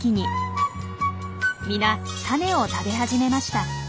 皆タネを食べ始めました。